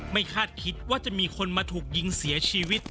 คาดคิดว่าจะมีคนมาถูกยิงเสียชีวิต